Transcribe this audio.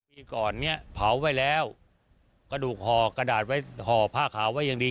พี่ก่อนเนี่ยเผาไว้แล้วกระดูกหอผ้าขาวไว้ยังดี